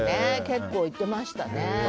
結構行ってましたね。